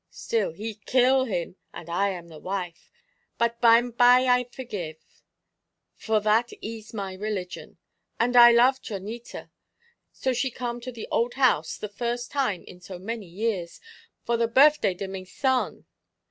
Still, he kill him, and I am the wife. But bime by I forgive, for that ees my religion. And I love Chonita. So she come to the old house, the firs' time in so many years, for the birfday de my son.